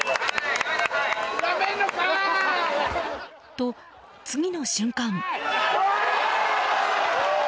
と、次の瞬間。